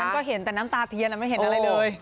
ก็เห็นแต่น้ำตาเทียนไม่เห็นอะไรเลย